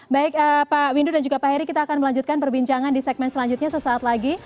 baik pak windu dan juga pak heri kita akan melanjutkan perbincangan di segmen selanjutnya sesaat lagi